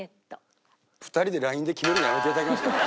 ２人でＬＩＮＥで決めるのやめて頂けますか？